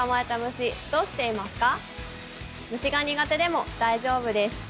虫が苦手でも大丈夫です。